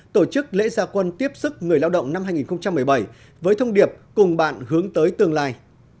tổ chức lễ gia quân tiếp sức người lao động năm hai nghìn một mươi bảy với thông điệp cùng bạn hướng tới tương lai